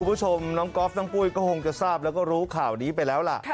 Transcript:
คุณผู้ชมน้องก๊อฟน้องปุ้ยก็คงจะทราบแล้วก็รู้ข่าวนี้ไปแล้วล่ะ